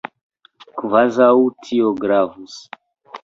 Kvazaŭ tio gravus!